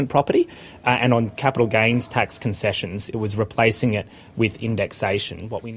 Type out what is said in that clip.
dan kegiatan kegiatan kegiatan kegiatan kita membalasnya dengan indeksasi